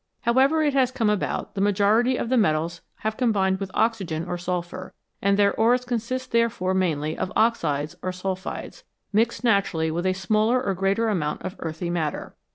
However it has come about, the majority of the metals have combined with oxygen or sulphur, and their ores consist therefore mainly of oxides or sulphides, mixed naturally with a smaller or greater amount of earthy matter.